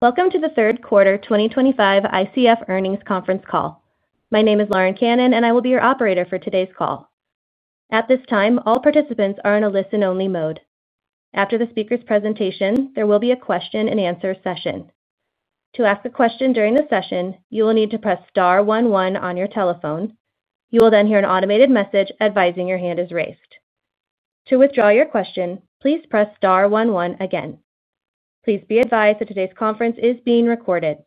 Welcome to the third quarter 2025 ICF Earnings Conference call. My name is Lauren Cannon, and I will be your operator for today's call. At this time, all participants are in a listen-only mode. After the speaker's presentation, there will be a question-and-answer session. To ask a question during the session, you will need to press star one one on your telephone. You will then hear an automated message advising your hand is raised. To withdraw your question, please press star one one again. Please be advised that today's conference is being recorded.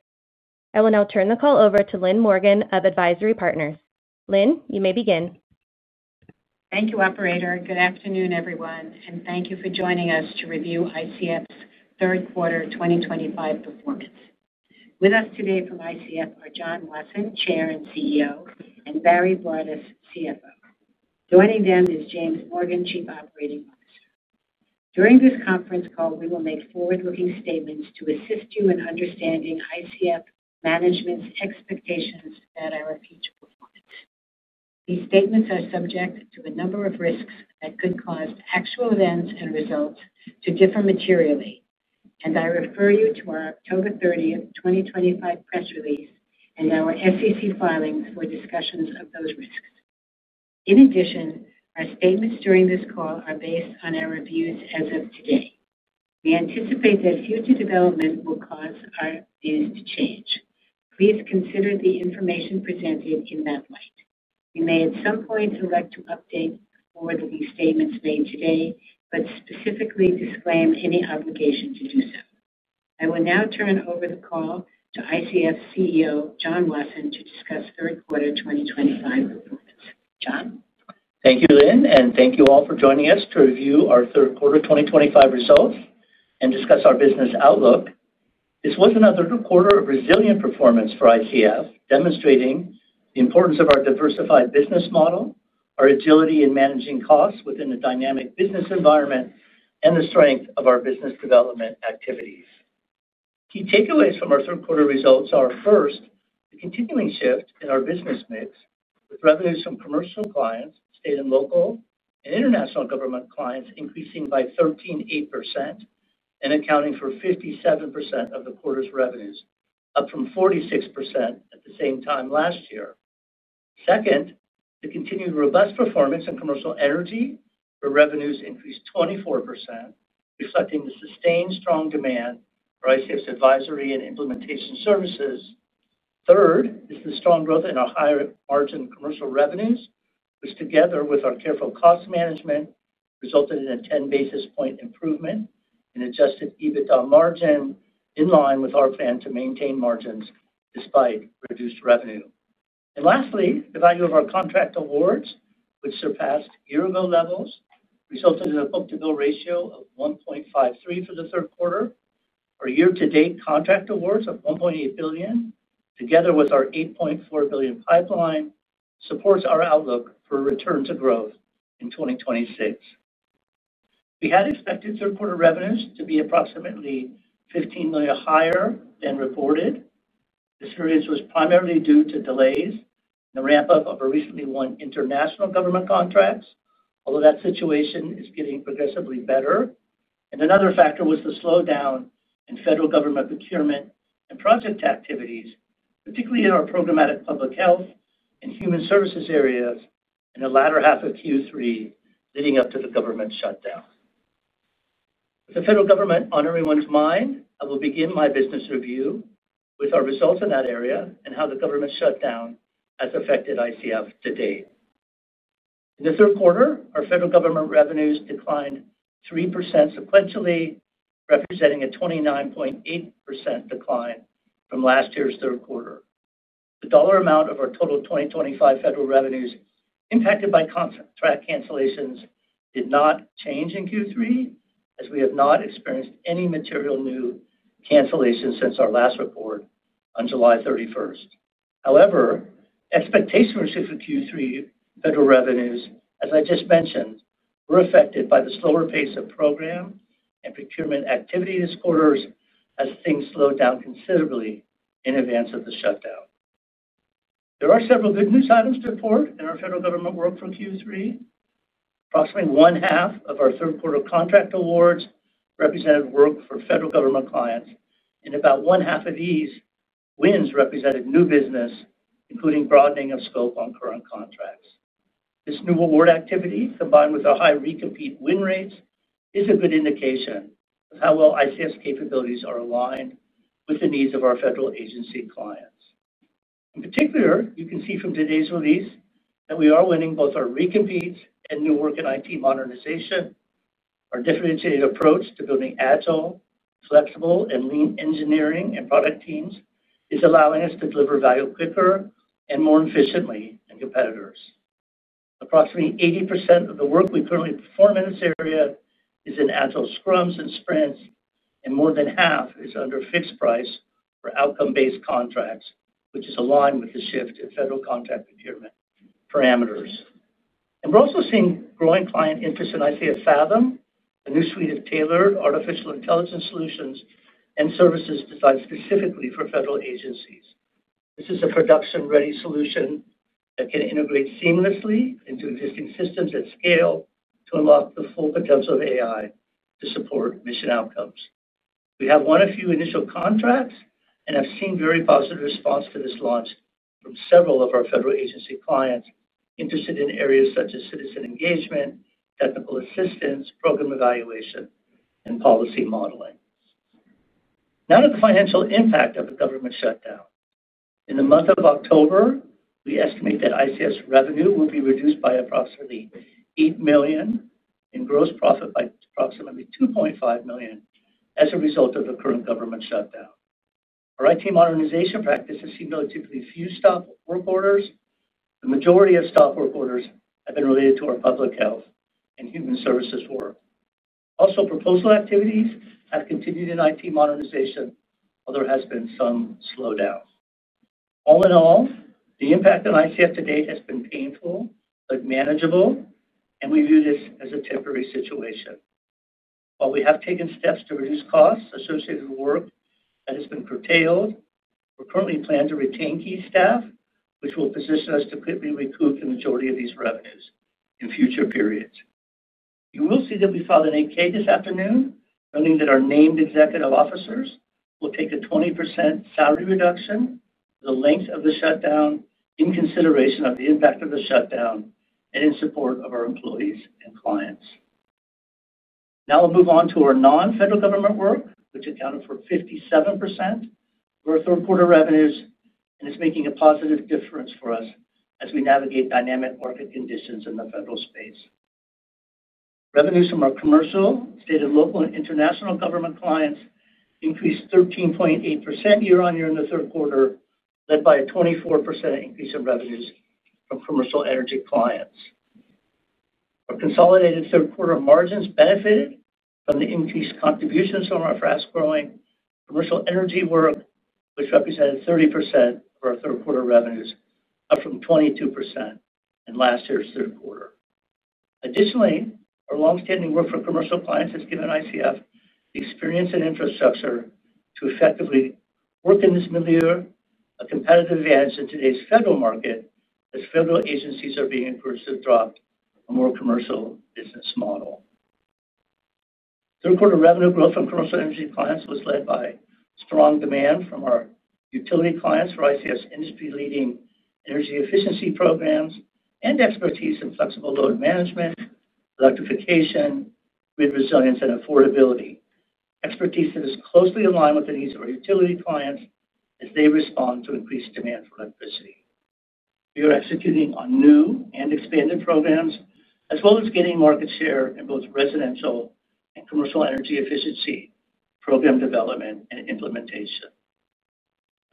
I will now turn the call over to Lynn Morgen of Advisiry Partners. Lynn, you may begin. Thank you, Operator. Good afternoon, everyone, and thank you for joining us to review ICF International's third quarter 2025 performance. With us today from ICF International are John Wasson, Chair and CEO, and Barry Broadus, CFO. Joining them is James Morgan, Chief Operating Officer. During this conference call, we will make forward-looking statements to assist you in understanding ICF International management's expectations about our future performance. These statements are subject to a number of risks that could cause actual events and results to differ materially, and I refer you to our October 30, 2025 press release and our SEC filings for discussions of those risks. In addition, our statements during this call are based on our reviews as of today. We anticipate that future development will cause our views to change. Please consider the information presented in that light. We may at some point elect to update for the statements made today, but specifically disclaim any obligation to do so. I will now turn over the call to ICF International CEO John Wasson to discuss third quarter 2025 performance. John? Thank you, Lynn, and thank you all for joining us to review our third quarter 2025 results and discuss our business outlook. This was another quarter of resilient performance for ICF, demonstrating the importance of our diversified business model, our agility in managing costs within a dynamic business environment, and the strength of our business development activities. Key takeaways from our third quarter results are, first, the continuing shift in our business mix, with revenues from commercial clients, state and local, and international government clients increasing by 13.8% and accounting for 57% of the quarter's revenues, up from 46% at the same time last year. Second, the continued robust performance in commercial energy for revenues increased 24%, reflecting the sustained strong demand for ICF's advisory and implementation services. Third is the strong growth in our higher margin commercial revenues, which together with our careful cost management resulted in a 10 basis point improvement in adjusted EBITDA margin, in line with our plan to maintain margins despite reduced revenue. Lastly, the value of our contract awards, which surpassed year-ago levels, resulted in a book-to-bill ratio of 1.53 for the third quarter. Our year-to-date contract awards of $1.8 billion, together with our $8.4 billion pipeline, supports our outlook for return to growth in 2026. We had expected third quarter revenues to be approximately $15 million higher than reported. This variance was primarily due to delays in the ramp-up of our recently won international government contracts, although that situation is getting progressively better. Another factor was the slowdown in federal government procurement and project activities, particularly in our programmatic public health and human services areas in the latter half of Q3, leading up to the government shutdown. With the federal government on everyone's mind, I will begin my business review with our results in that area and how the government shutdown has affected ICF to date. In the third quarter, our federal government revenues declined 3% sequentially, representing a 29.8% decline from last year's third quarter. The dollar amount of our total 2025 federal revenues impacted by contract cancellations did not change in Q3, as we have not experienced any material new cancellations since our last report on July 31. However, expectations for Q3 federal revenues, as I just mentioned, were affected by the slower pace of program and procurement activity this quarter, as things slowed down considerably in advance of the shutdown. There are several good news items to report in our federal government work from Q3. Approximately one-half of our third quarter contract awards represented work for federal government clients, and about one-half of these wins represented new business, including broadening of scope on current contracts. This new award activity, combined with our high recompete win rates, is a good indication of how well ICF's capabilities are aligned with the needs of our federal agency clients. In particular, you can see from today's release that we are winning both our recompetes and new work in IT modernization. Our differentiated approach to building agile, flexible, and lean engineering and product teams is allowing us to deliver value quicker and more efficiently than competitors. Approximately 80% of the work we currently perform in this area is in agile scrums and sprints, and more than half is under fixed price for outcome-based contracts, which is aligned with the shift in federal contract procurement parameters. We're also seeing growing client interest in ICF Fathom, a new suite of tailored artificial intelligence solutions and services designed specifically for federal agencies. This is a production-ready solution that can integrate seamlessly into existing systems at scale to unlock the full potential of AI to support mission outcomes. We have won a few initial contracts and have seen very positive responses to this launch from several of our federal agency clients interested in areas such as citizen engagement, technical assistance, program evaluation, and policy modeling. Now to the financial impact of the government shutdown. In the month of October, we estimate that ICF's revenue will be reduced by approximately $8 million and gross profit by approximately $2.5 million as a result of the current government shutdown. Our IT modernization practice has seen relatively few stop work orders. The majority of stop work orders have been related to our public health and human services work. Also, proposal activities have continued in IT modernization, although there has been some slowdown. All in all, the impact on ICF to date has been painful, but manageable, and we view this as a temporary situation. While we have taken steps to reduce costs associated with work that has been curtailed, we're currently planning to retain key staff, which will position us to quickly recoup the majority of these revenues in future periods. You will see that we filed an 8-K this afternoon, noting that our named executive officers will take a 20% salary reduction for the length of the shutdown in consideration of the impact of the shutdown and in support of our employees and clients. Now we'll move on to our non-federal government work, which accounted for 57% of our third quarter revenues, and it's making a positive difference for us as we navigate dynamic market conditions in the federal space. Revenues from our commercial, state and local, and international government clients increased 13.8% year-on-year in the third quarter, led by a 24% increase in revenues from commercial energy clients. Our consolidated third quarter margins benefited from the increased contributions from our fast-growing commercial energy work, which represented 30% of our third quarter revenues, up from 22% in last year's third quarter. Additionally, our longstanding work for commercial clients has given ICF the experience and infrastructure to effectively work in this milieu, a competitive advantage in today's federal market as federal agencies are being encouraged to adopt a more commercial business model. Third quarter revenue growth from commercial energy clients was led by strong demand from our utility clients for ICF's industry-leading energy efficiency programs and expertise in flexible load management, electrification, grid resilience, and affordability, expertise that is closely aligned with the needs of our utility clients as they respond to increased demand for electricity. We are executing on new and expanded programs, as well as gaining market share in both residential and commercial energy efficiency program development and implementation.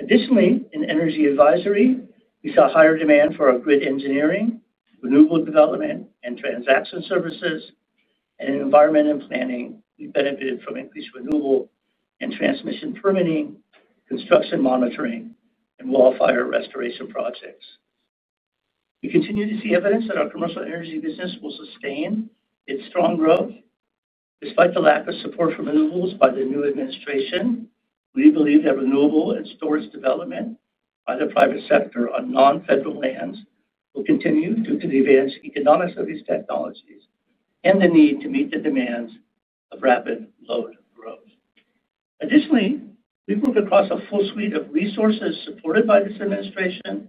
Additionally, in energy advisory, we saw higher demand for our grid engineering, renewable development, and transaction services, and in environment and planning, we benefited from increased renewable and transmission permitting, construction monitoring, and wildfire restoration projects. We continue to see evidence that our commercial energy business will sustain its strong growth. Despite the lack of support for renewables by the new administration, we believe that renewable and storage development by the private sector on non-federal lands will continue due to the advanced economics of these technologies and the need to meet the demands of rapid load growth. Additionally, we've moved across a full suite of resources supported by this administration,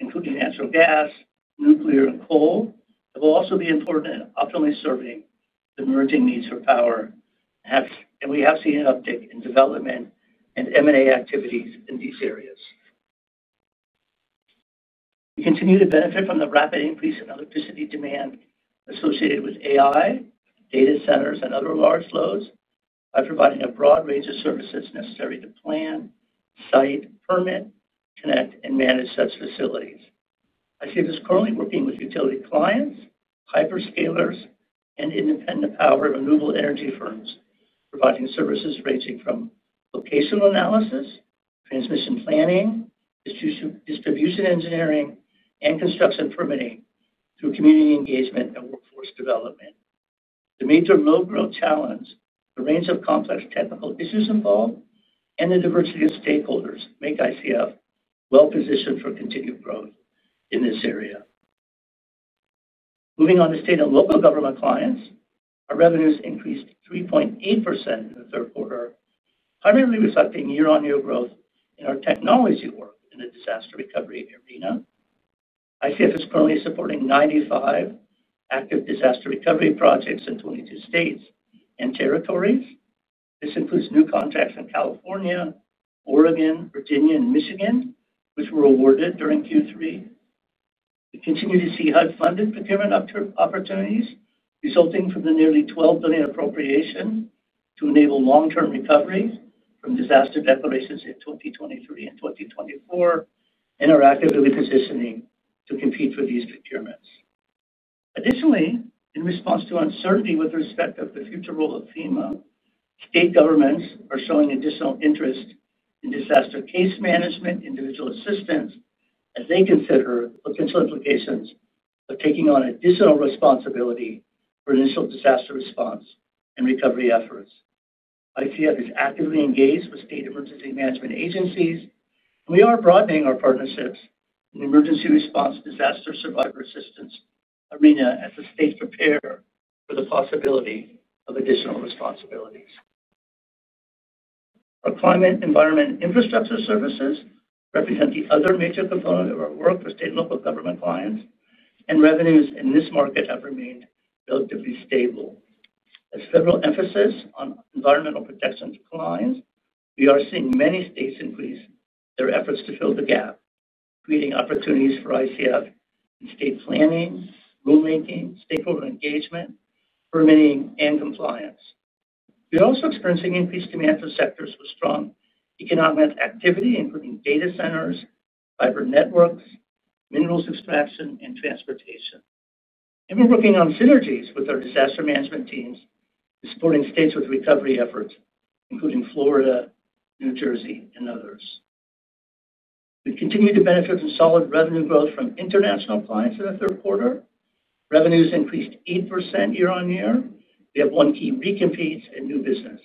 including natural gas, nuclear, and coal, that will also be important in optimally serving the emerging needs for power. We have seen an uptick in development and M&A activities in these areas. We continue to benefit from the rapid increase in electricity demand associated with AI, data centers, and other large loads by providing a broad range of services necessary to plan, site, permit, connect, and manage such facilities. ICF is currently working with utility clients, hyperscalers, and independent power and renewable energy firms, providing services ranging from location analysis, transmission planning, distribution engineering, and construction permitting, through community engagement and workforce development. The major load-growth challenge, the range of complex technical issues involved, and the diversity of stakeholders make ICF well-positioned for continued growth in this area. Moving on to state and local government clients, our revenues increased 3.8% in the third quarter, primarily reflecting year-on-year growth in our technology work in the disaster recovery arena. ICF is currently supporting 95 active disaster recovery projects in 22 states and territories. This includes new contracts in California, Oregon, Virginia, and Michigan, which were awarded during Q3. We continue to see HUD-funded procurement opportunities resulting from the nearly $12 billion appropriation to enable long-term recovery from disaster declarations in 2023 and 2024, and are actively positioning to compete for these procurements. Additionally, in response to uncertainty with respect to the future role of FEMA, state governments are showing additional interest in disaster case management and individual assistance, as they consider potential implications of taking on additional responsibility for initial disaster response and recovery efforts. ICF is actively engaged with state emergency management agencies, and we are broadening our partnerships in the emergency response disaster survivor assistance arena as the state prepares for the possibility of additional responsibilities. Our climate, environment, and infrastructure services represent the other major component of our work for state and local government clients, and revenues in this market have remained relatively stable. As federal emphasis on environmental protection declines, we are seeing many states increase their efforts to fill the gap, creating opportunities for ICF in state planning, rulemaking, stakeholder engagement, permitting, and compliance. We are also experiencing increased demand for sectors with strong economic activity, including data centers, fiber networks, mineral extraction, and transportation. We are working on synergies with our disaster management teams in supporting states with recovery efforts, including Florida, New Jersey, and others. We continue to benefit from solid revenue growth from international clients in the third quarter. Revenues increased 8% year-on-year. We have one key recompete and new business.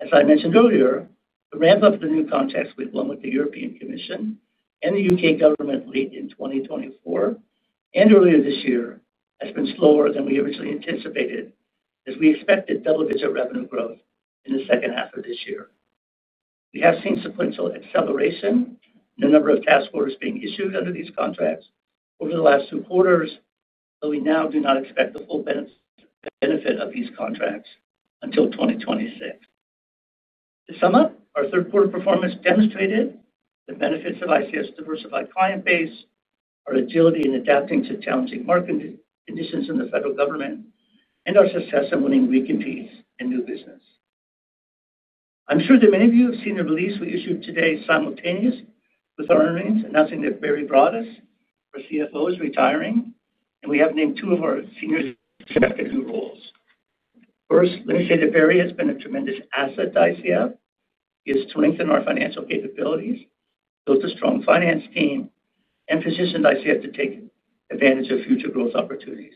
As I mentioned earlier, the ramp-up of the new contracts we've won with the European Commission and the UK government late in 2024 and earlier this year has been slower than we originally anticipated, as we expected double-digit revenue growth in the second half of this year. We have seen sequential acceleration in the number of task orders being issued under these contracts over the last two quarters, though we now do not expect the full benefit of these contracts until 2026. To sum up, our third quarter performance demonstrated the benefits of ICF's diversified client base, our agility in adapting to challenging market conditions in the federal government, and our success in winning recompetes and new business. I'm sure that many of you have seen the release we issued today simultaneous with our earnings, announcing that Barry Broadus, our CFO, is retiring, and we have named two of our senior executive new roles. First, let me say that Barry has been a tremendous asset to ICF, to strengthen our financial capabilities, build a strong finance team, and positioned ICF to take advantage of future growth opportunities.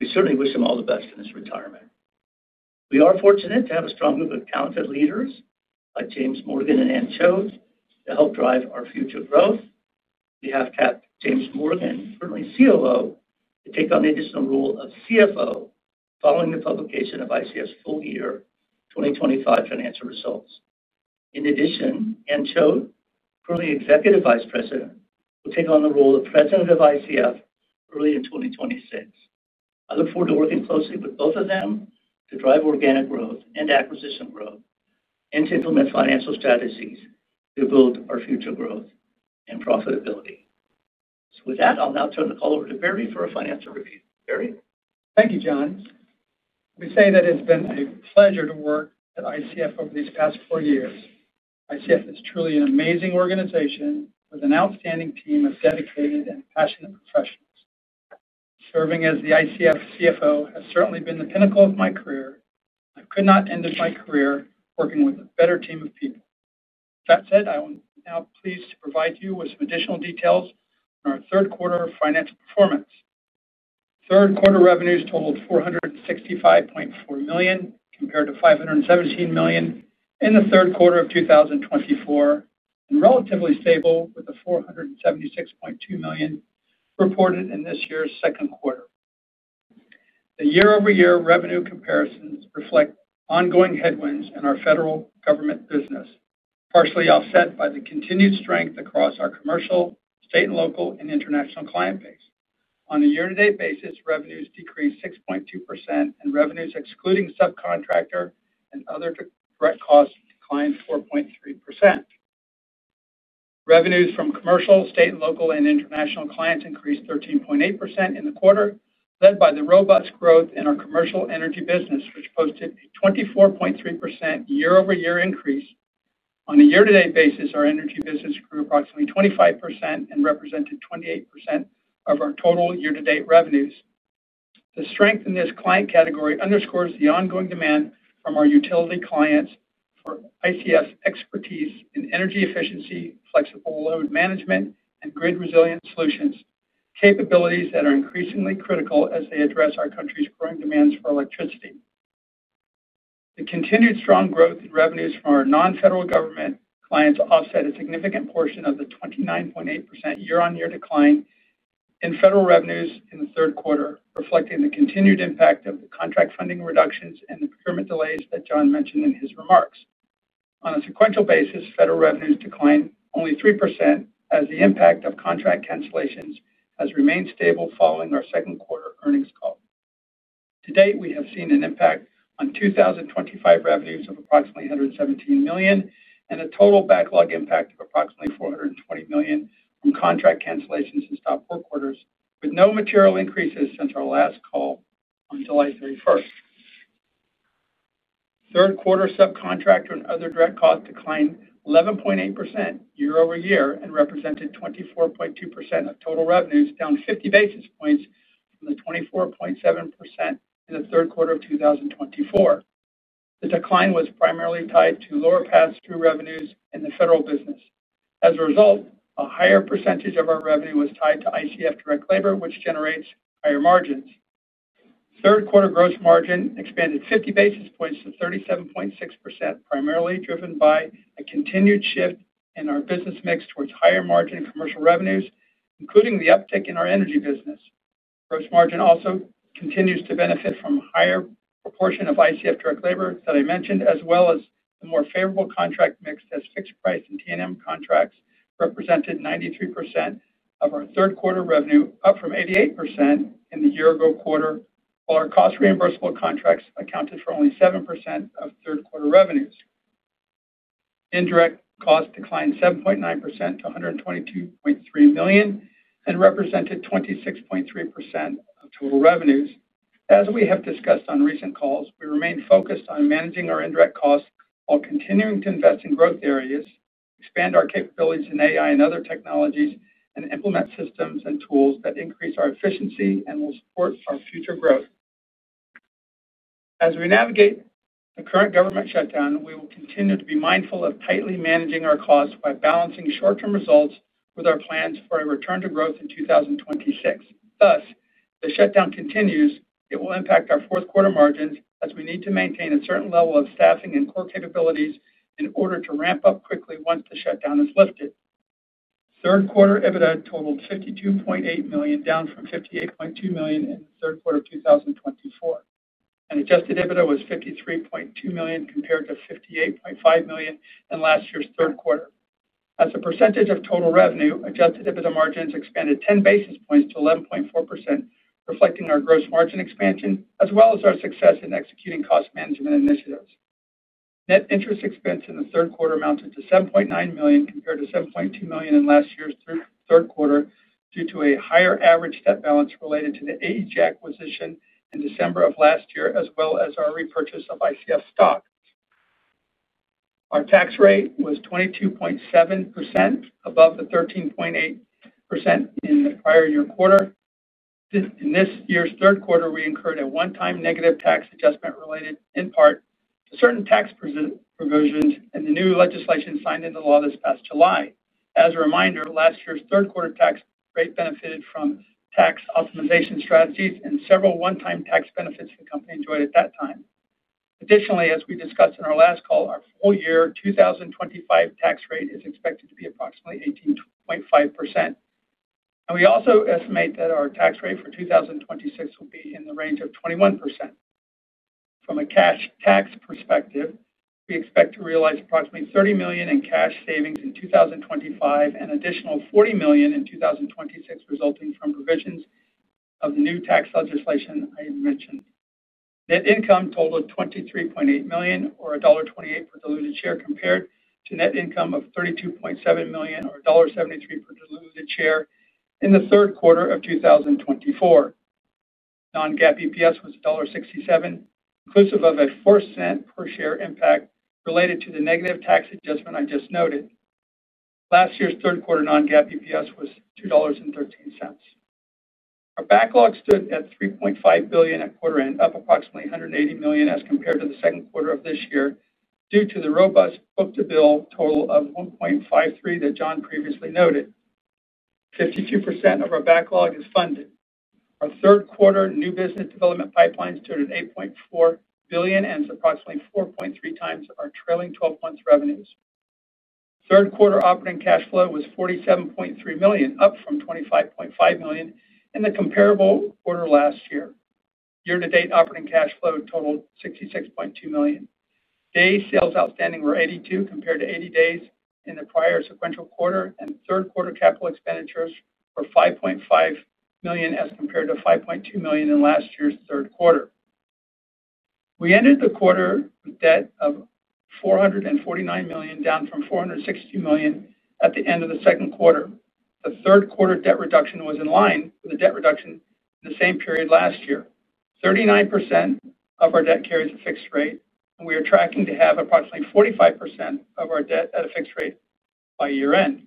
We certainly wish him all the best in his retirement. We are fortunate to have a strong group of talented leaders like James Morgan and Anne Choate to help drive our future growth. We have kept James Morgan, currently COO, to take on the additional role of CFO following the publication of ICF's full-year 2025 financial results. In addition, Anne Choate, currently Executive Vice President, will take on the role of President of ICF early in 2026. I look forward to working closely with both of them to drive organic growth and acquisition growth and to implement financial strategies to build our future growth and profitability. With that, I'll now turn the call over to Barry for a financial review. Barry? Thank you, John. I want to say that it's been a pleasure to work at ICF over these past four years. ICF is truly an amazing organization with an outstanding team of dedicated and passionate professionals. Serving as the ICF CFO has certainly been the pinnacle of my career. I could not end my career working with a better team of people. That said, I am now pleased to provide you with some additional details on our third quarter financial performance. Third quarter revenues totaled $465.4 million compared to $517 million in the third quarter of 2024, and were relatively stable with the $476.2 million reported in this year's second quarter. The year-over-year revenue comparisons reflect ongoing headwinds in our federal government business, partially offset by the continued strength across our commercial, state and local, and international client base. On a year-to-date basis, revenues decreased 6.2%, and revenues excluding subcontractor and other direct costs declined 4.3%. Revenues from commercial, state and local, and international clients increased 13.8% in the quarter, led by the robust growth in our commercial energy business, which posted a 24.3% year-over-year increase. On a year-to-date basis, our energy business grew approximately 25% and represented 28% of our total year-to-date revenues. The strength in this client category underscores the ongoing demand from our utility clients for ICF's expertise in energy efficiency, flexible load management, and grid-resilient solutions, capabilities that are increasingly critical as they address our country's growing demands for electricity. The continued strong growth in revenues from our non-federal government clients offset a significant portion of the 29.8% year-on-year decline in federal revenues in the third quarter, reflecting the continued impact of the contract funding reductions and the procurement delays that John mentioned in his remarks. On a sequential basis, federal revenues declined only 3% as the impact of contract cancellations has remained stable following our second quarter earnings call. To date, we have seen an impact on 2025 revenues of approximately $117 million and a total backlog impact of approximately $420 million from contract cancellations and stock work orders, with no material increases since our last call on July 31. Third quarter subcontractor and other direct costs declined 11.8% year-over-year and represented 24.2% of total revenues, down 50 basis points from the 24.7% in the third quarter of 2024. The decline was primarily tied to lower pass-through revenues in the federal business. As a result, a higher percentage of our revenue was tied to ICF direct labor, which generates higher margins. Third quarter gross margin expanded 50 basis points to 37.6%, primarily driven by a continued shift in our business mix towards higher margin commercial revenues, including the uptick in our energy business. Gross margin also continues to benefit from a higher proportion of ICF direct labor that I mentioned, as well as the more favorable contract mix as fixed-price and TNM contracts represented 93% of our third quarter revenue, up from 88% in the year-ago quarter, while our cost-reimbursable contracts accounted for only 7% of third quarter revenues. Indirect costs declined 7.9% to $122.3 million and represented 26.3% of total revenues. As we have discussed on recent calls, we remain focused on managing our indirect costs while continuing to invest in growth areas, expand our capabilities in AI and other technologies, and implement systems and tools that increase our efficiency and will support our future growth. As we navigate the current government shutdown, we will continue to be mindful of tightly managing our costs by balancing short-term results with our plans for a return to growth in 2026. Thus, if the shutdown continues, it will impact our fourth quarter margins as we need to maintain a certain level of staffing and core capabilities in order to ramp up quickly once the shutdown is lifted. Third quarter EBITDA totaled $52.8 million, down from $58.2 million in the third quarter of 2024. Adjusted EBITDA was $53.2 million compared to $58.5 million in last year's third quarter. As a percentage of total revenue, adjusted EBITDA margins expanded 10 basis points to 11.4%, reflecting our gross margin expansion as well as our success in executing cost management initiatives. Net interest expense in the third quarter amounted to $7.9 million compared to $7.2 million in last year's third quarter due to a higher average debt balance related to the Applied Energy Group acquisition in December of last year, as well as our repurchase of ICF stock. Our tax rate was 22.7% above the 13.8% in the prior year quarter. In this year's third quarter, we incurred a one-time negative tax adjustment related in part to certain tax provisions and the new legislation signed into law this past July. As a reminder, last year's third quarter tax rate benefited from tax optimization strategies and several one-time tax benefits the company enjoyed at that time. Additionally, as we discussed in our last call, our full-year 2025 tax rate is expected to be approximately 18.5%. We also estimate that our tax rate for 2026 will be in the range of 21%. From a cash tax perspective, we expect to realize approximately $30 million in cash savings in 2025 and an additional $40 million in 2026, resulting from provisions of the new tax legislation I had mentioned. Net income totaled $23.8 million, or $1.28 per diluted share, compared to net income of $32.7 million, or $1.73 per diluted share in the third quarter of 2024. Non-GAAP EPS was $1.67, inclusive of a $0.04 per share impact related to the negative tax adjustment I just noted. Last year's third quarter non-GAAP EPS was $2.13. Our backlog stood at $3.5 billion at quarter-end, up approximately $180 million as compared to the second quarter of this year due to the robust book-to-bill total of $1.53 that John previously noted. 52% of our backlog is funded. Our third quarter new business development pipeline stood at $8.4 billion, and it's approximately 4.3x our trailing 12-month revenues. Third quarter operating cash flow was $47.3 million, up from $25.5 million in the comparable quarter last year. Year-to-date operating cash flow totaled $66.2 million. Day sales outstanding were $82 million compared to $80 million in the prior sequential quarter, and third quarter capital expenditures were $5.5 million as compared to $5.2 million in last year's third quarter. We ended the quarter with debt of $449 million, down from $460 million at the end of the second quarter. The third quarter debt reduction was in line with the debt reduction in the same period last year. 39% of our debt carries a fixed rate, and we are tracking to have approximately 45% of our debt at a fixed rate by year-end.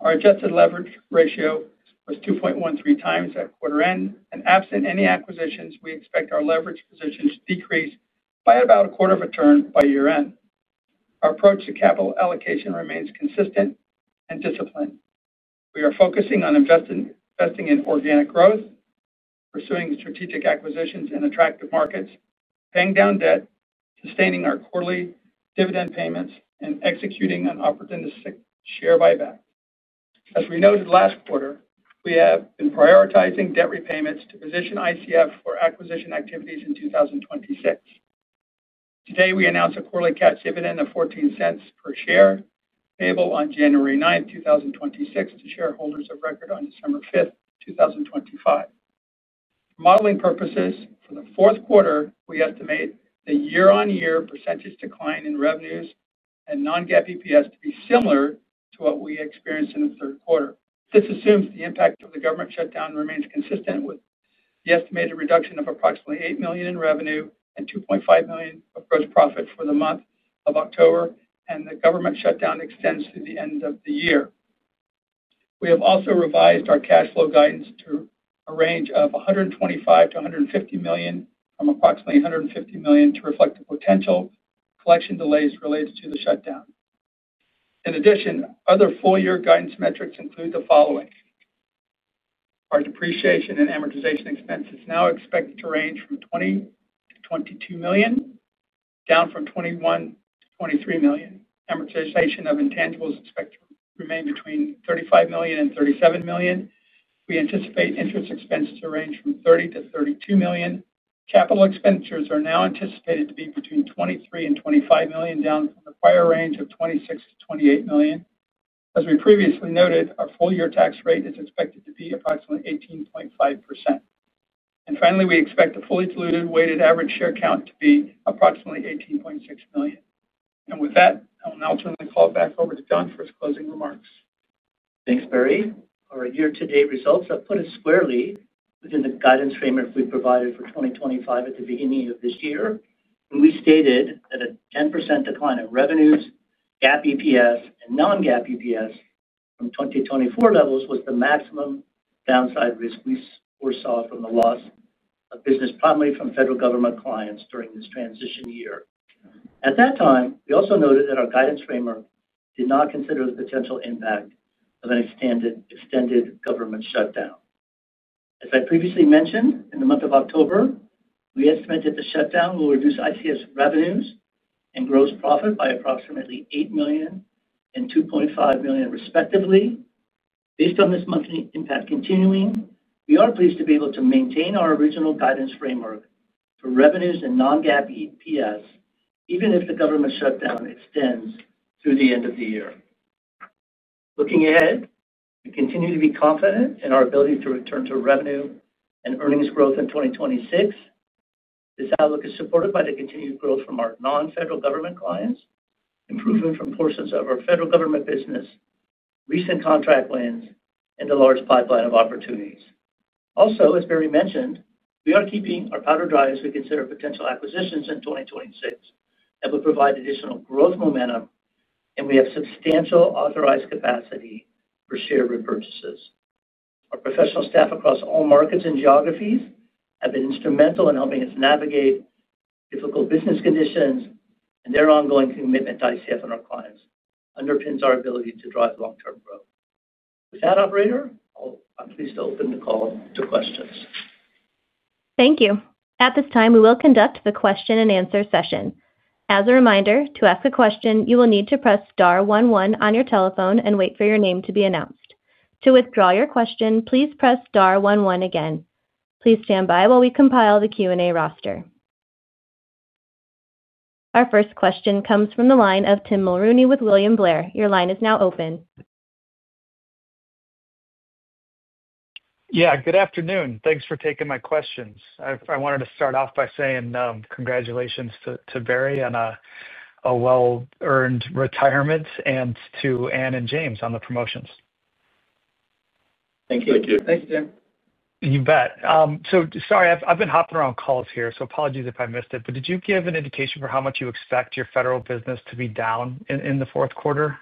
Our adjusted leverage ratio was 2.13 times at quarter-end, and absent any acquisitions, we expect our leverage positions to decrease by about a quarter of a turn by year-end. Our approach to capital allocation remains consistent and disciplined. We are focusing on investing in organic growth, pursuing strategic acquisitions in attractive markets, paying down debt, sustaining our quarterly dividend payments, and executing on opportunistic share buybacks. As we noted last quarter, we have been prioritizing debt repayments to position ICF for acquisition activities in 2026. Today, we announced a quarterly cash dividend of $0.14 per share, payable on January 9, 2026, to shareholders of record on December 5, 2025. For modeling purposes, for the fourth quarter, we estimate the year-on-year % decline in revenues and non-GAAP EPS to be similar to what we experienced in the third quarter. This assumes the impact of the government shutdown remains consistent with the estimated reduction of approximately $8 million in revenue and $2.5 million of gross profit for the month of October, and the government shutdown extends to the end of the year. We have also revised our cash flow guidance to a range of $125 million-$150 million, from approximately $150 million to reflect the potential collection delays related to the shutdown. In addition, other full-year guidance metrics include the following. Our depreciation and amortization expenses now expect to range from $20 million to $22 million, down from $21 million-$23 million. Amortization of intangibles expected to remain between $35 million and $37 million. We anticipate interest expenses to range from $30 million-$32 million. Capital expenditures are now anticipated to be between $23 million and $25 million, down from the prior range of $26 million to $28 million. As we previously noted, our full-year tax rate is expected to be approximately 18.5%. Finally, we expect the fully diluted weighted average share count to be approximately 18.6 million. With that, I will now turn the call back over to John for his closing remarks. Thanks, Barry. Our year-to-date results are put squarely within the guidance framework we provided for 2025 at the beginning of this year. We stated that a 10% decline in revenues, GAAP EPS, and non-GAAP EPS from 2024 levels was the maximum downside risk we foresaw from the loss of business primarily from federal government clients during this transition year. At that time, we also noted that our guidance framework did not consider the potential impact of an extended government shutdown. As I previously mentioned, in the month of October, we estimated the shutdown will reduce ICF's revenues and gross profit by approximately $8 million and $2.5 million, respectively. Based on this monthly impact continuing, we are pleased to be able to maintain our original guidance framework for revenues and non-GAAP EPS, even if the government shutdown extends through the end of the year. Looking ahead, we continue to be confident in our ability to return to revenue and earnings growth in 2026. This outlook is supported by the continued growth from our non-federal government clients, improvement from portions of our federal government business, recent contract wins, and a large pipeline of opportunities. Also, as Barry mentioned, we are keeping our powder dry as we consider potential acquisitions in 2026 that will provide additional growth momentum, and we have substantial authorized capacity for share repurchases. Our professional staff across all markets and geographies have been instrumental in helping us navigate difficult business conditions, and their ongoing commitment to ICF and our clients underpins our ability to drive long-term growth. With that, Operator, I'm pleased to open the call to questions. Thank you. At this time, we will conduct the question-and-answer session. As a reminder, to ask a question, you will need to press Star 11 on your telephone and wait for your name to be announced. To withdraw your question, please press Star 11 again. Please stand by while we compile the Q&A roster. Our first question comes from the line of Tim Mulrooney with William Blair. Your line is now open. Yeah. Good afternoon. Thanks for taking my questions. I wanted to start off by saying congratulations to Barry on a well-earned retirement and to Anne and James on the promotions. Thank you. Thank you, Tim. You bet. Sorry, I've been hopping around calls here, so apologies if I missed it. Did you give an indication for how much you expect your federal business to be down in the fourth quarter?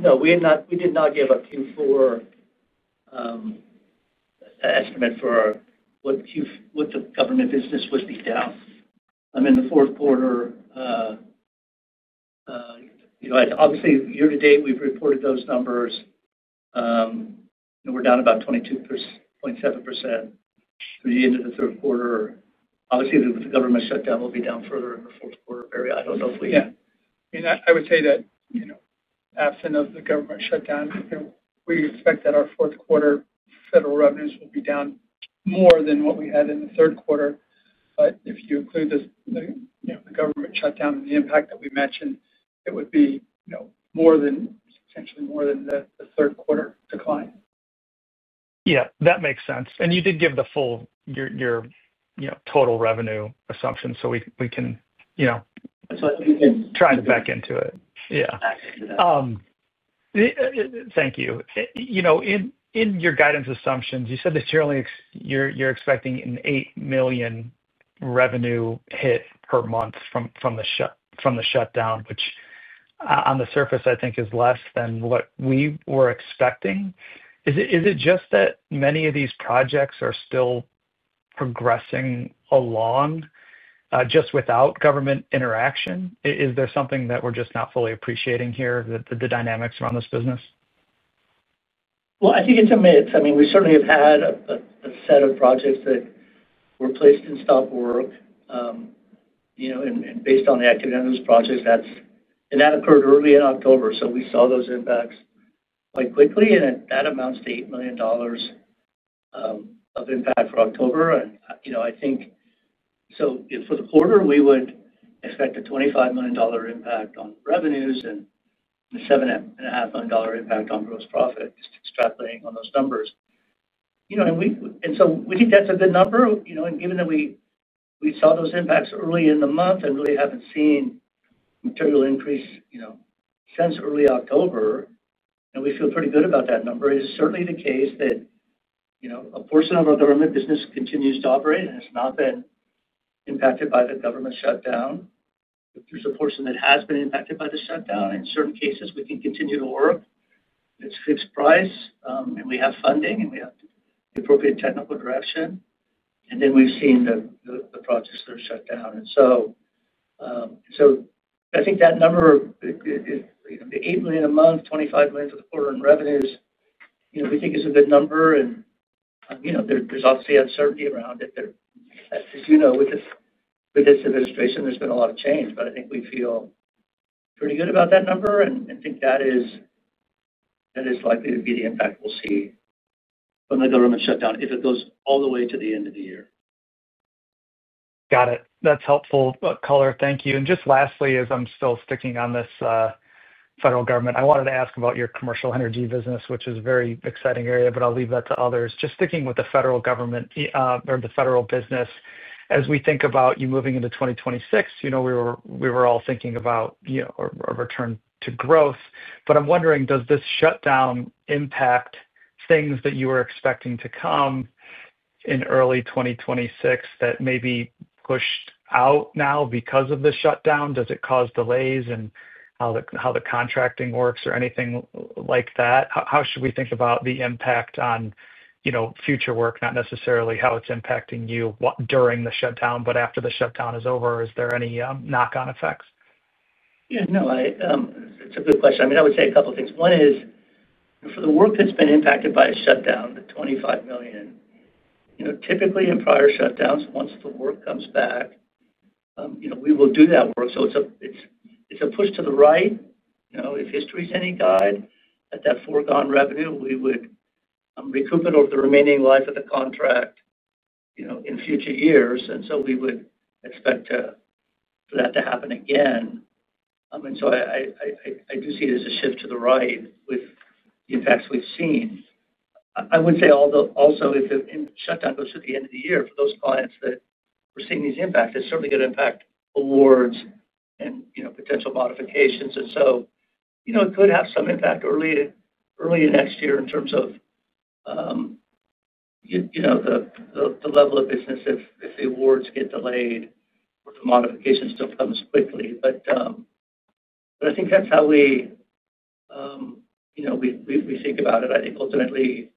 No. We did not give a Q4 estimate for what the government business would be down. I mean, the fourth quarter. Obviously, year-to-date, we've reported those numbers. We're down about 22.7% through the end of the third quarter. Obviously, with the government shutdown, we'll be down further in the fourth quarter, Barry. I don't know if we—Yeah. I mean, I would say that. Absent the government shutdown, we expect that our fourth quarter federal revenues will be down more than what we had in the third quarter. If you include the government shutdown and the impact that we mentioned, it would be substantially more than the third quarter decline. Yeah. That makes sense. You did give the full, your total revenue assumption, so we can—Trying to back into it. Yeah. Thank you. In your guidance assumptions, you said that you're expecting an $8 million revenue hit per month from the shutdown, which on the surface, I think, is less than what we were expecting. Is it just that many of these projects are still progressing along, just without government interaction? Is there something that we're just not fully appreciating here, the dynamics around this business? I think it's a mix. We certainly have had a set of projects that were placed in stop work, and based on the activity on those projects, and that occurred early in October, so we saw those impacts quite quickly. That amounts to $8 million of impact for October. I think for the quarter, we would expect a $25 million impact on revenues and a $7.5 million impact on gross profit, just extrapolating on those numbers. We think that's a good number, and given that we saw those impacts early in the month and really haven't seen material increase since early October, we feel pretty good about that number. It is certainly the case that a portion of our government business continues to operate, and it's not been impacted by the government shutdown. There's a portion that has been impacted by the shutdown. In certain cases, we can continue to work. It's fixed price, and we have funding, and we have the appropriate technical direction. Then we've seen the projects that are shut down. I think that number, the $8 million a month, $25 million for the quarter in revenues, we think is a good number. There's obviously uncertainty around it. As you know, with this administration, there's been a lot of change. I think we feel pretty good about that number and think that is likely to be the impact we'll see from the government shutdown if it goes all the way to the end of the year. Got it. That's helpful. But, Collar, thank you. Just lastly, as I'm still sticking on this. Federal government, I wanted to ask about your commercial energy business, which is a very exciting area, but I'll leave that to others. Just sticking with the federal government or the federal business, as we think about you moving into 2026, we were all thinking about a return to growth. I'm wondering, does this shutdown impact things that you were expecting to come in early 2026 that may be pushed out now because of the shutdown? Does it cause delays in how the contracting works or anything like that? How should we think about the impact on future work, not necessarily how it's impacting you during the shutdown, but after the shutdown is over? Is there any knock-on effects? Yeah. No. It's a good question. I would say a couple of things. One is, for the work that's been impacted by a shutdown, the $25 million. Typically, in prior shutdowns, once the work comes back, we will do that work. It's a push to the right. If history is any guide, at that foregone revenue, we would recuperate over the remaining life of the contract in future years. We would expect for that to happen again. I do see it as a shift to the right with the impacts we've seen. I would say also if the shutdown goes to the end of the year, for those clients that were seeing these impacts, it's certainly going to impact awards and potential modifications. It could have some impact early next year in terms of the level of business if the awards get delayed or the modification still comes quickly. I think that's how we think about it. Ultimately,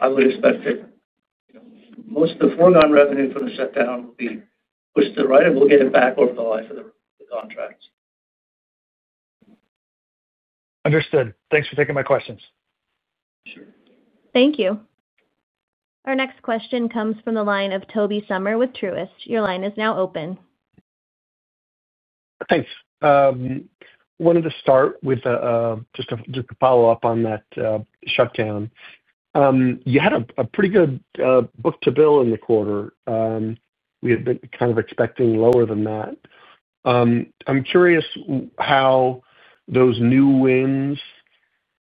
I would expect that most of the foregone revenue from the shutdown will be pushed to the right, and we'll get it back over the life of the contracts. Understood. Thanks for taking my questions. Sure. Thank you. Our next question comes from the line of Tobey Sommer with Truist Securities. Your line is now open. Thanks. Wanted to start with just a follow-up on that shutdown. You had a pretty good book-to-bill in the quarter. We had been kind of expecting lower than that. I'm curious how those new wins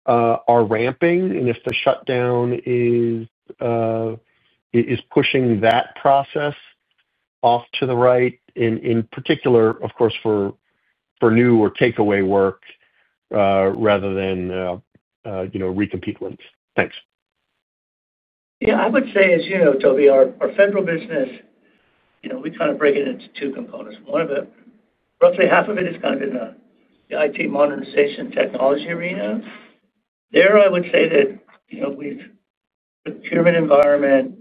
are ramping and if the shutdown is pushing that process off to the right, in particular, of course, for new or takeaway work rather than recompete wins. Thanks. Yeah. I would say, as you know, Tobey, our federal business, we kind of break it into two components. One of the—roughly half of it is kind of in the IT modernization technology arena. There, I would say that. The procurement environment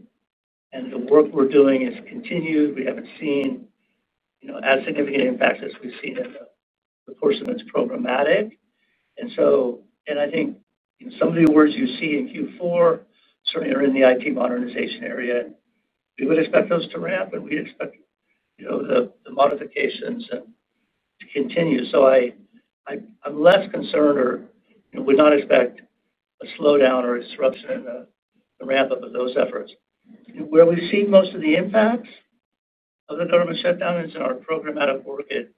and the work we're doing has continued. We haven't seen as significant impacts as we've seen in the course of, and it's programmatic. I think some of the awards you see in Q4 certainly are in the IT modernization area. We would expect those to ramp, and we expect the modifications to continue. I'm less concerned or would not expect a slowdown or disruption in the ramp-up of those efforts. Where we see most of the impacts of the government shutdown is in our programmatic market,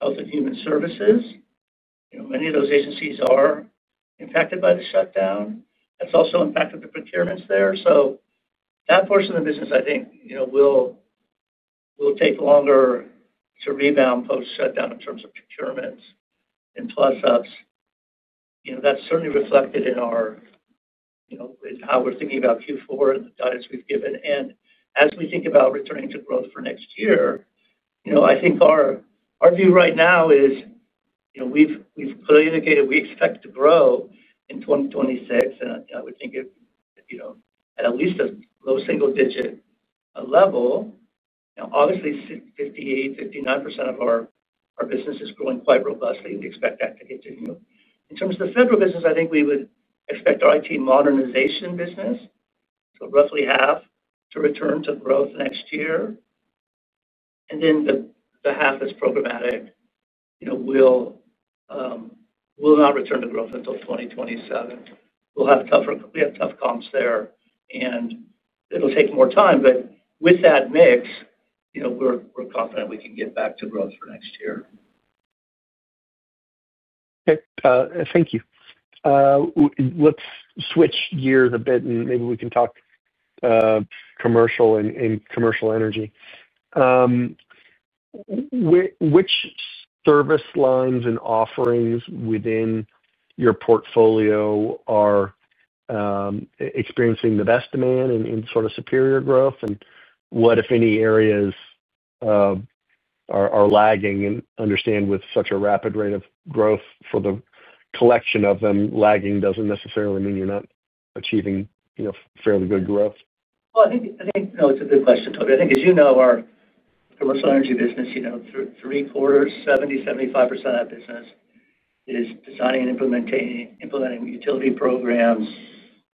health and human services. Many of those agencies are impacted by the shutdown. That's also impacted the procurements there. That portion of the business, I think, will take longer to rebound post-shutdown in terms of procurements and plus-ups. That's certainly reflected in how we're thinking about Q4 and the guidance we've given. As we think about returning to growth for next year, I think our view right now is we've clearly indicated we expect to grow in 2026. I would think at at least a low single-digit level. Obviously, 58%, 59% of our business is growing quite robustly. We expect that to continue. In terms of the federal business, I think we would expect our IT modernization business, so roughly half, to return to growth next year. The half that's programmatic will not return to growth until 2027. We'll have tough comps there, and it'll take more time. With that mix, we're confident we can get back to growth for next year. Thank you. Let's switch gears a bit, and maybe we can talk commercial and commercial energy. Which service lines and offerings within your portfolio are experiencing the best demand and sort of superior growth? What, if any, areas are lagging? I understand with such a rapid rate of growth for the collection of them, lagging doesn't necessarily mean you're not achieving fairly good growth. I think it's a good question, Tobey. I think, as you know, our commercial energy business, three-quarters, 70%, 75% of that business is designing and implementing utility programs,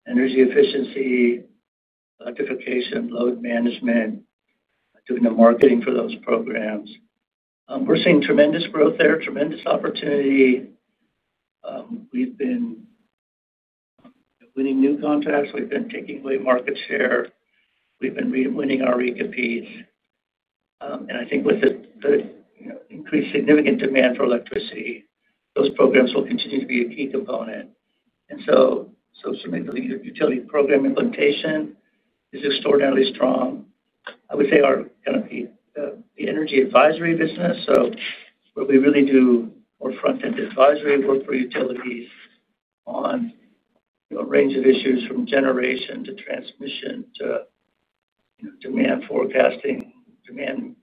energy efficiency, electrification, load management, doing the marketing for those programs. We're seeing tremendous growth there, tremendous opportunity. We've been winning new contracts. We've been taking away market share. We've been winning our recompetes. I think with the increased significant demand for electricity, those programs will continue to be a key component. Certainly, the utility program implementation is extraordinarily strong. I would say our kind of the energy advisory business, where we really do more front-end advisory work for utilities on a range of issues from generation to transmission to demand forecasting, demand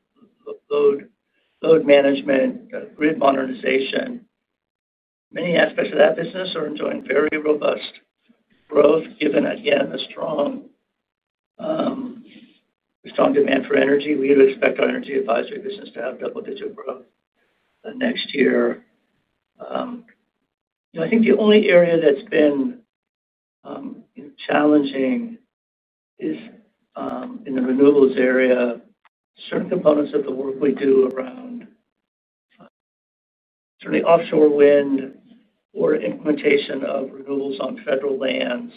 load management, grid modernization. Many aspects of that business are enjoying very robust growth, given, again, the strong demand for energy. We would expect our energy advisory business to have double-digit growth next year. I think the only area that's been challenging is in the renewables area. Certain components of the work we do around certainly offshore wind or implementation of renewables on federal lands.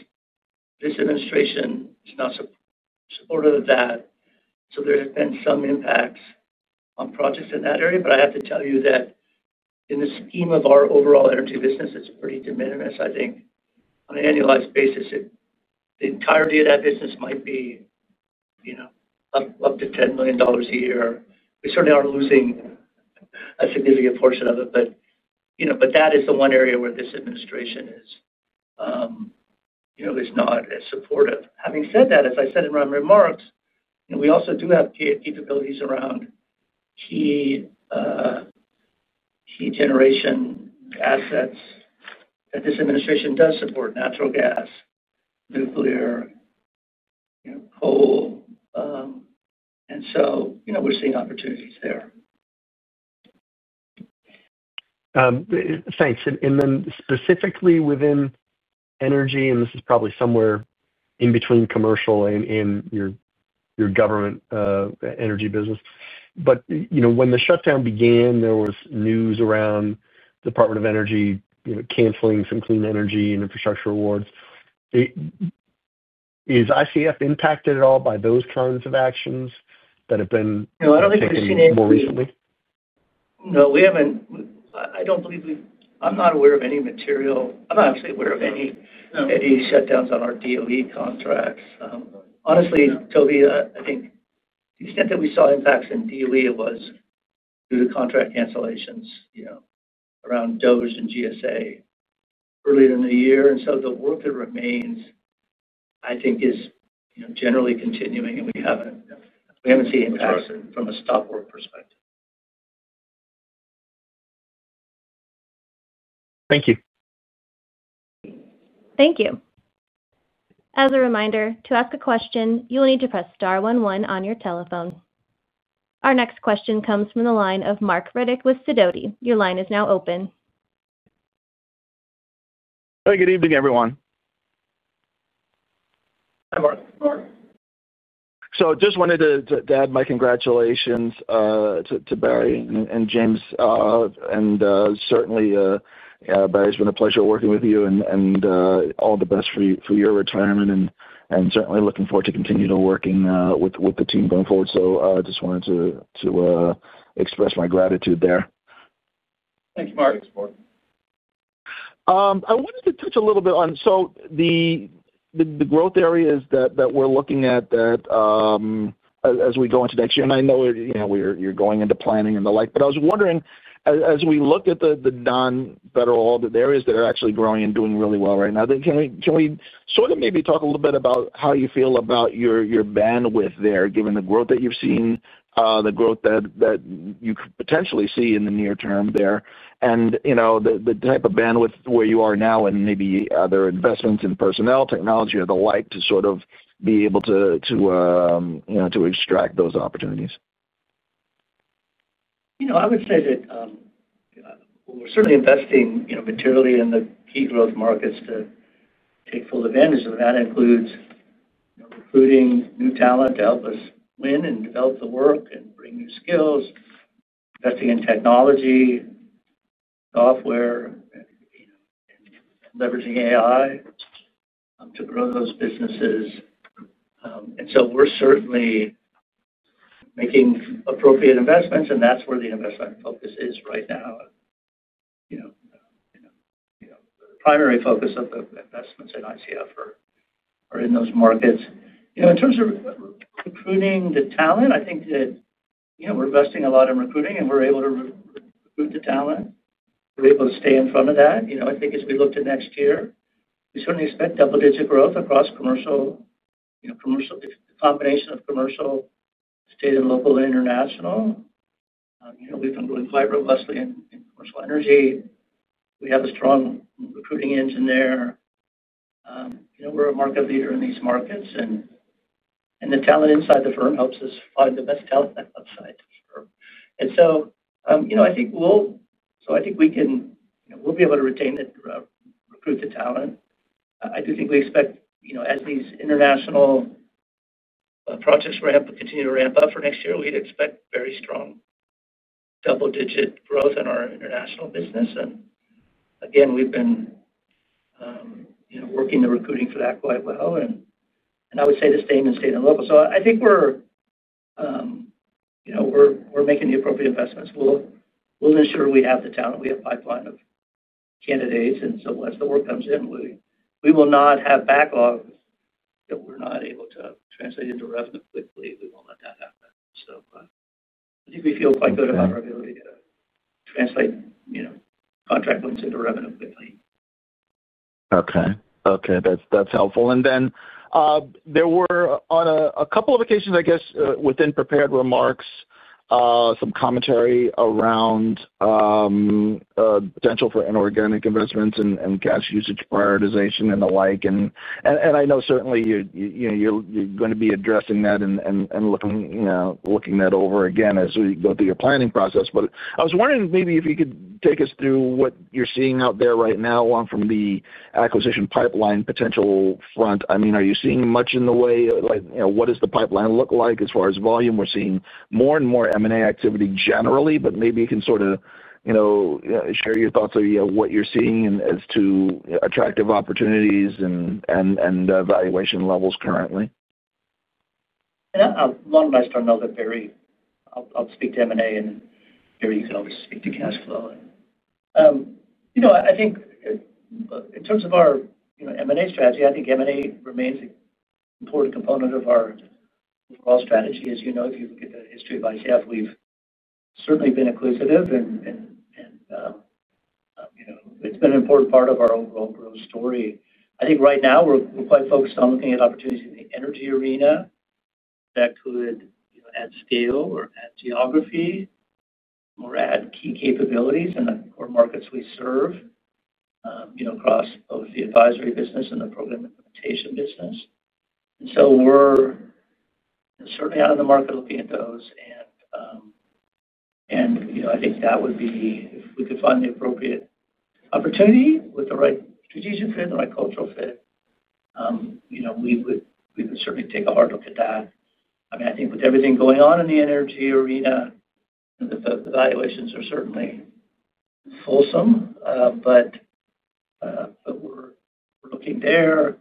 This administration is not supportive of that, so there have been some impacts on projects in that area. I have to tell you that in the scheme of our overall energy business, it's pretty de minimis. I think on an annualized basis, the entirety of that business might be up to $10 million a year. We certainly aren't losing a significant portion of it, but that is the one area where this administration is not as supportive. Having said that, as I said in my remarks, we also do have capabilities around key generation assets that this administration does support: natural gas, nuclear, coal. We are seeing opportunities there. Thanks. Specifically within energy—and this is probably somewhere in between commercial and your government energy business—when the shutdown began, there was news around the Department of Energy canceling some clean energy and infrastructure awards. Is ICF impacted at all by those kinds of actions that have been taken more recently? No, we haven't. I don't believe we've—I'm not aware of any material. I'm not actually aware of any shutdowns on our DOE contracts. Honestly, Toby, I think the extent that we saw impacts in DOE was due to contract cancellations around DOE and GSA earlier in the year. The work that remains, I think, is generally continuing, and we haven't seen impacts from a stop work perspective. Thank you. As a reminder, to ask a question, you will need to press star one one on your telephone. Our next question comes from the line of Marc Riddick with Sidoti. Your line is now open. Hey, good evening, everyone. Just wanted to add my congratulations to Barry and James. Certainly. Barry, it's been a pleasure working with you. All the best for your retirement. I'm certainly looking forward to continuing to work with the team going forward. I just wanted to express my gratitude there. Thanks, Marc. I wanted to touch a little bit on the growth areas that we're looking at as we go into next year. I know you're going into planning and the like. I was wondering, as we look at the non-federal areas that are actually growing and doing really well right now, can we maybe talk a little bit about how you feel about your bandwidth there, given the growth that you've seen, the growth that you could potentially see in the near term? The type of bandwidth where you are now and maybe other investments in personnel, technology, or the like to be able to extract those opportunities? I would say that we're certainly investing materially in the key growth markets to take full advantage of that. That includes recruiting new talent to help us win and develop the work and bring new skills, investing in technology, software, and leveraging AI to grow those businesses. We're certainly making appropriate investments, and that's where the investment focus is right now. The primary focus of the investments in ICF are in those markets. In terms of recruiting the talent, I think that we're investing a lot in recruiting, and we're able to recruit the talent. We're able to stay in front of that. I think as we look to next year, we certainly expect double-digit growth across commercial, a combination of commercial, state and local, and international. We've been growing quite robustly in commercial energy. We have a strong recruiting engine there. We're a market leader in these markets. The talent inside the firm helps us find the best talent outside. I think we'll be able to retain and recruit the talent. I do think we expect, as these international projects continue to ramp up for next year, we'd expect very strong double-digit growth in our international business. We've been working the recruiting for that quite well. I would say the same in state and local. I think we're making the appropriate investments. We'll ensure we have the talent. We have a pipeline of candidates, and as the work comes in, we will not have backlogs that we're not able to translate into revenue quickly. We won't let that happen. I think we feel quite good about our ability to translate contract wins into revenue quickly. That's helpful. There were, on a couple of occasions within prepared remarks, some commentary around potential for inorganic investments and gas usage prioritization and the like. I know certainly you're going to be addressing that and looking at that over again as we go through your planning process. I was wondering maybe if you could take us through what you're seeing out there right now from the acquisition pipeline potential front. Are you seeing much in the way? What does the pipeline look like as far as volume? We're seeing more and more M&A activity generally. Maybe you can sort of share your thoughts of what you're seeing as to attractive opportunities and valuation levels currently. I'm not an ICE terminal that very—I'll speak to M&A and very easily speak to cash flow. In terms of our M&A strategy, I think M&A remains an important component of our overall strategy. As you know, if you look at the history of ICF, we've certainly been inclusive. It's been an important part of our overall growth story. Right now we're quite focused on looking at opportunities in the energy arena that could add scale or add geography or add key capabilities in the core markets we serve across both the advisory business and the program implementation business. We're certainly out in the market looking at those. I think that would be—if we could find the appropriate opportunity with the right strategic fit and the right cultural fit, we would certainly take a hard look at that. With everything going on in the energy arena, the valuations are certainly fulsome. We're looking there.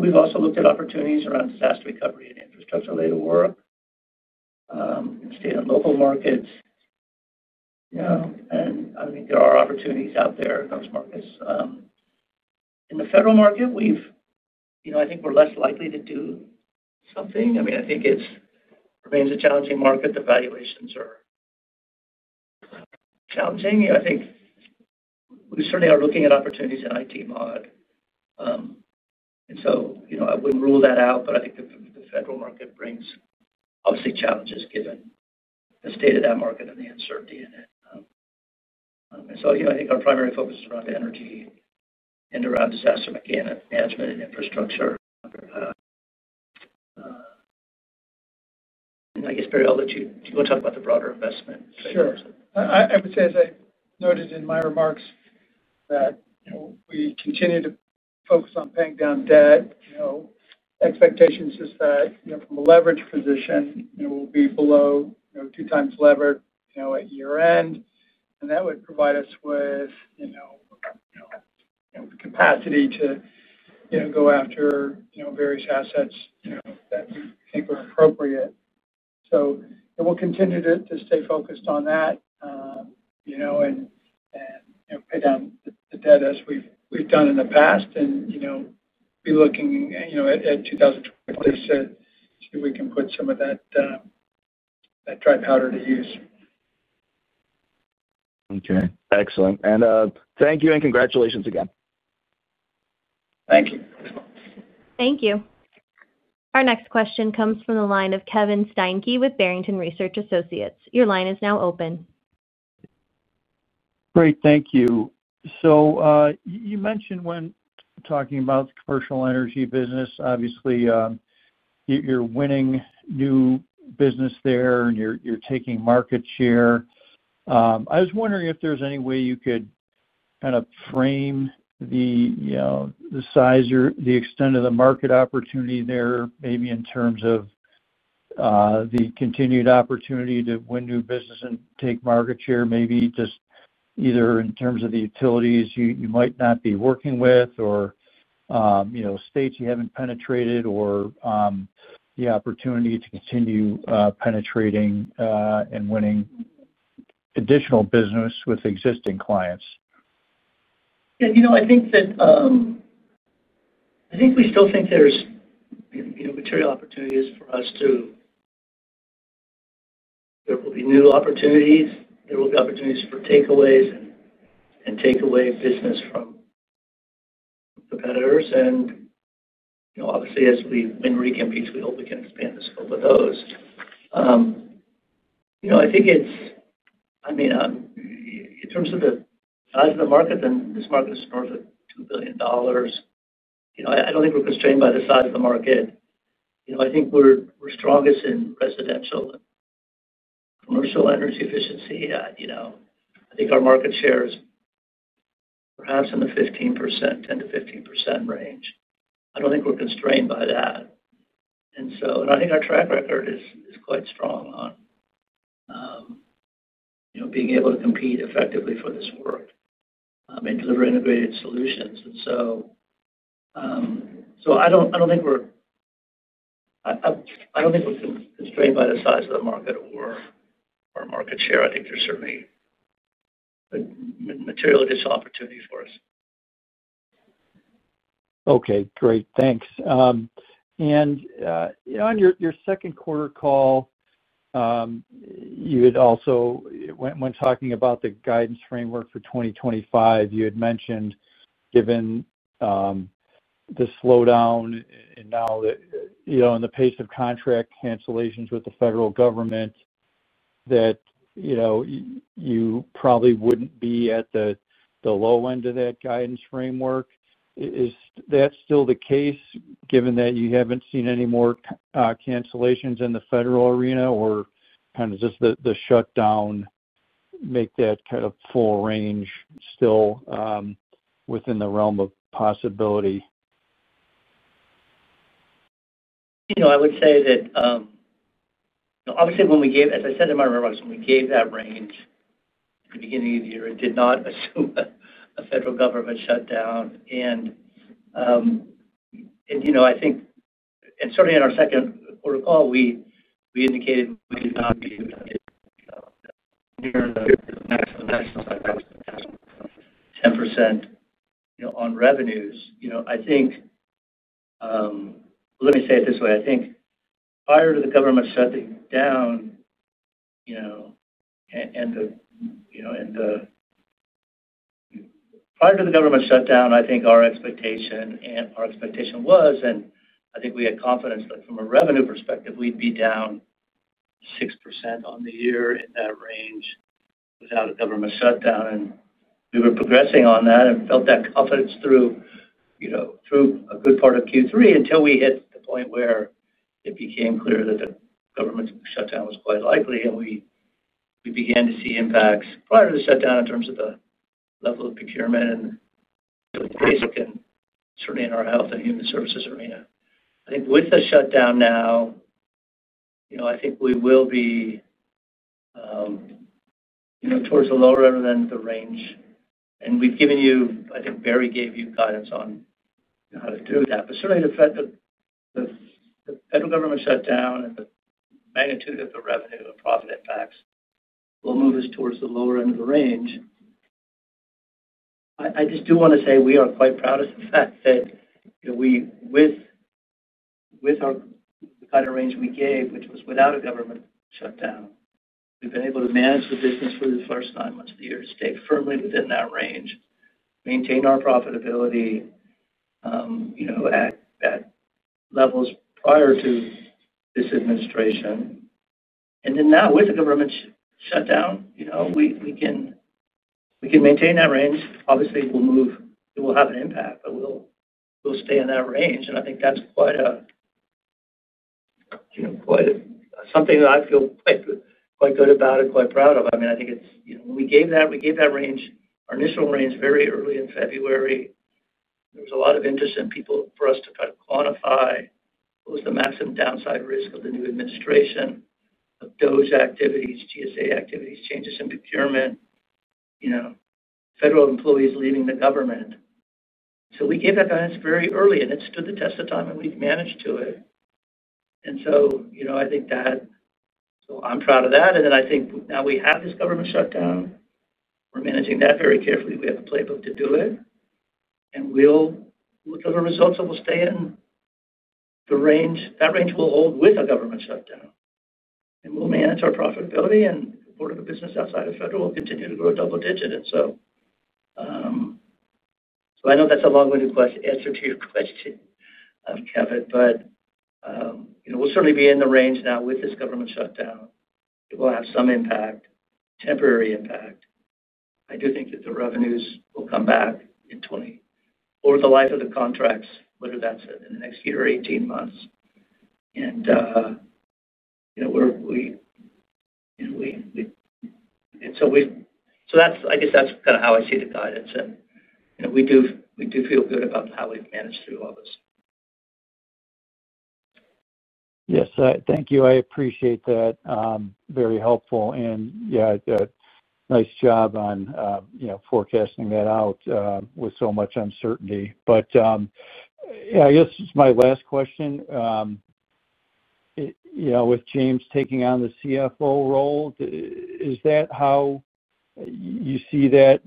We've also looked at opportunities around disaster recovery and infrastructure-related work in state and local markets. I think there are opportunities out there in those markets. In the federal market, I think we're less likely to do something. It remains a challenging market. The valuations are challenging. We certainly are looking at opportunities in IT modernization services, and so I wouldn't rule that out. The federal market brings, obviously, challenges given the state of that market and the uncertainty in it. I think our primary focus is around energy and around disaster management and infrastructure. I guess, Barry, I'll let you go talk about the broader investment. Sure. I would say, as I noted in my remarks, that we continue to focus on paying down debt. Expectations is that from a leverage position, we'll be below two times levered at year-end. That would provide us with capacity to go after various assets that we think are appropriate. We'll continue to stay focused on that and pay down the debt as we've done in the past. We'll be looking at 2020 to see if we can put some of that dry powder to use. Okay. Excellent. Thank you. Congratulations again. Thank you. Our next question comes from the line of Kevin Steinke with Barrington Research. Your line is now open. Great. Thank you. You mentioned when talking about the commercial energy business, obviously you're winning new business there, and you're taking market share. I was wondering if there's any way you could kind of frame the size, the extent of the market opportunity there, maybe in terms of the continued opportunity to win new business and take market share, maybe just either in terms of the utilities you might not be working with or states you haven't penetrated or the opportunity to continue penetrating and winning additional business with existing clients. Yeah. I think that we still think there's material opportunities for us to—there will be new opportunities. There will be opportunities for takeaways and takeaway business from competitors. Obviously, as we win recompetes, we hope we can expand the scope of those. I think it's—in terms of the size of the market, this market is north of $2 billion. I don't think we're constrained by the size of the market. I think we're strongest in residential and commercial energy efficiency. I think our market share is perhaps in the 10% to 15% range. I don't think we're constrained by that. I think our track record is quite strong on being able to compete effectively for this work and deliver integrated solutions. I don't think we're constrained by the size of the market or our market share. I think there's certainly material additional opportunity for us. Okay. Great. Thanks. On your second quarter call, you had also, when talking about the guidance framework for 2025, you had mentioned, given the slowdown and now in the pace of contract cancellations with the federal government. That. You probably wouldn't be at the low end of that guidance framework. Is that still the case, given that you haven't seen any more cancellations in the federal arena or just the shutdown? Make that kind of full range still within the realm of possibility? I would say that. Obviously, when we gave—as I said in my remarks, when we gave that range at the beginning of the year, it did not assume a federal government shutdown. I think certainly in our second quarter call, we indicated we would not be near the maximum of 10% on revenues. Let me say it this way. I think prior to the government shutdown, our expectation was—and I think we had confidence that from a revenue perspective, we'd be down 6% on the year in that range without a government shutdown. We were progressing on that and felt that confidence through a good part of Q3 until we hit the point where it became clear that the government shutdown was quite likely. We began to see impacts prior to the shutdown in terms of the level of procurement and basic, and certainly in our health and human services arena. I think with the shutdown now, we will be towards the lower end of the range. We've given you—I think Barry gave you guidance on how to do that. Certainly, the federal government shutdown and the magnitude of the revenue and profit impacts will move us towards the lower end of the range. I just do want to say we are quite proud of the fact that with the kind of range we gave, which was without a government shutdown, we've been able to manage the business for the first time much of the year to stay firmly within that range, maintain our profitability at levels prior to this administration. Now, with the government shutdown, we can maintain that range. Obviously, it will have an impact, but we'll stay in that range. I think that's quite a—something that I feel quite good about and quite proud of. I mean, when we gave that range—our initial range very early in February, there was a lot of interest in people for us to kind of quantify what was the maximum downside risk of the new administration, of DOGE activities, GSA activities, changes in procurement, federal employees leaving the government. We gave that guidance very early, and it stood the test of time, and we've managed to it. I think that—so I'm proud of that. I think now we have this government shutdown. We're managing that very carefully. We have a playbook to do it. We'll deliver results, and we'll stay in. That range will hold with a government shutdown. We'll manage our profitability and support of the business outside of federal continue to grow double-digit. I know that's a long-winded answer to your question, Kevin, but we'll certainly be in the range now with this government shutdown. It will have some impact, temporary impact. I do think that the revenues will come back in over the life of the contracts, whether that's in the next year or 18 months. I guess that's kind of how I see the guidance. We do feel good about how we've managed through all this. Yes. Thank you. I appreciate that. Very helpful. A nice job on forecasting that out with so much uncertainty. I guess my last question. With James taking on the CFO role, is that how you see that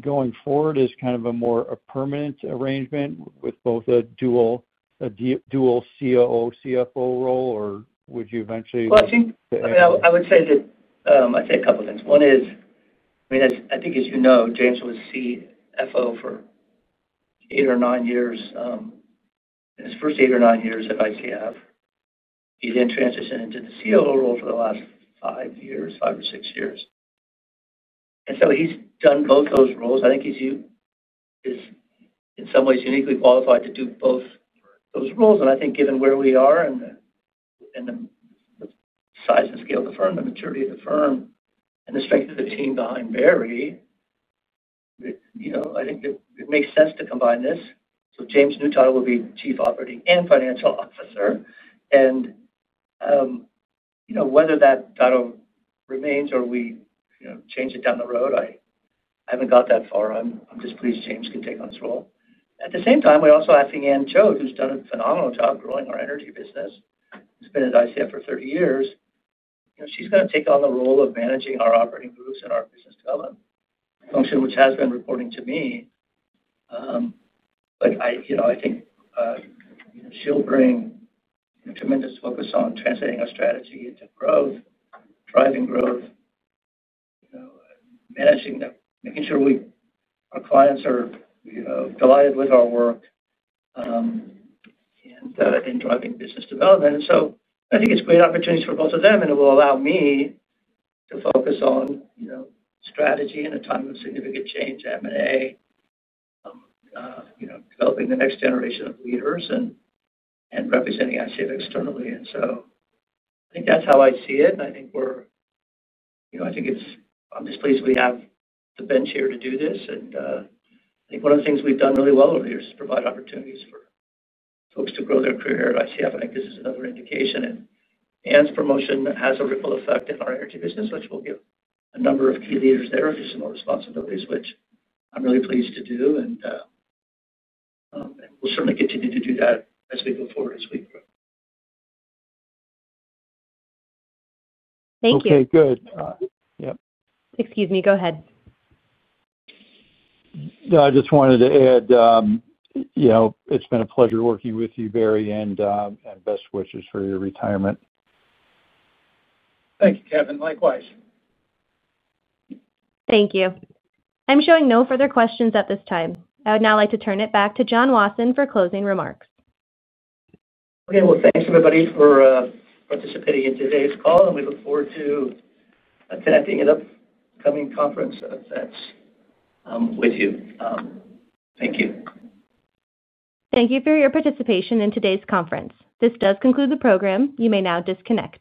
going forward as kind of a more permanent arrangement with both a dual COO/CFO role, or would you eventually— I think I would say that I'd say a couple of things. One is, I mean, I think, as you know, James was CFO for eight or nine years in his first eight or nine years at ICF. He then transitioned into the COO role for the last five years, five or six years. He's done both those roles. I think he's in some ways uniquely qualified to do both those roles. I think given where we are and the size and scale of the firm, the maturity of the firm, and the strength of the team behind Barry, I think it makes sense to combine this. So James Morgan will be Chief Operating and Financial Officer. Whether that title remains or we change it down the road, I haven't got that far. I'm just pleased James can take on this role. At the same time, we're also asking Anne Choate, who's done a phenomenal job growing our energy business. She's been at ICF for 30 years. She's going to take on the role of managing our operating groups and our business development function, which has been reporting to me. I think she'll bring tremendous focus on translating our strategy into growth, driving growth, making sure our clients are delighted with our work, and driving business development. I think it's great opportunities for both of them, and it will allow me to focus on strategy in a time of significant change, M&A, developing the next generation of leaders, and representing ICF externally. I think that's how I see it. I'm just pleased we have the bench here to do this. One of the things we've done really well over the years is provide opportunities for folks to grow their career at ICF. I think this is another indication. Anne's promotion has a ripple effect in our energy business, which will give a number of key leaders their additional responsibilities, which I'm really pleased to do. We'll certainly continue to do that as we go forward as we grow. Thank you. Okay. Good. Excuse me. Go ahead. No, I just wanted to add, it's been a pleasure working with you, Barry, and best wishes for your retirement. Thank you, Kevin. Likewise. Thank you. I'm showing no further questions at this time. I would now like to turn it back to John Wasson for closing remarks. Thank you, everybody, for participating in today's call. We look forward to connecting at upcoming conference with you. Thank you. Thank you for your participation in today's conference. This does conclude the program. You may now disconnect.